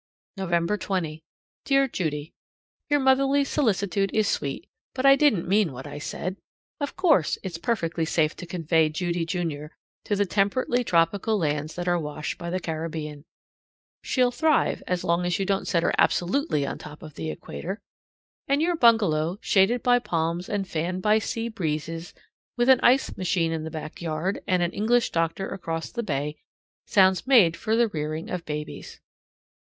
November 20. Dear Judy: Your motherly solicitude is sweet, but I didn't mean what I said. Of course it's perfectly safe to convey Judy, junior, to the temperately tropical lands that are washed by the Caribbean. She'll thrive as long as you don't set her absolutely on top of the equator. And your bungalow, shaded by palms and fanned by sea breezes, with an ice machine in the back yard and an English doctor across the bay, sounds made for the rearing of babies.